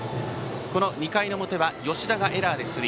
この２回の表は吉田がエラーで出塁。